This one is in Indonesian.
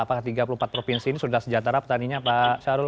apakah tiga puluh empat provinsi ini sudah sejahtera petaninya pak syahrul